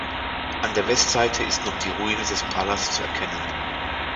An der Westseite ist noch die Ruine des Palas zu erkennen.